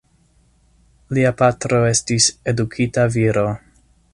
Lia patro estis edukita viro.